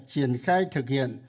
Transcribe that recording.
triển khai thực hiện